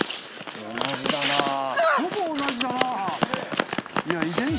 ほぼ同じだな！